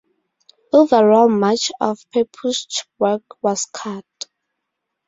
Overall much of Pepusch’s work was cut.